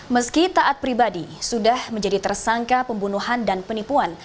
meski taat pribadi sudah menjadi tersangka pembunuhan dan penipuan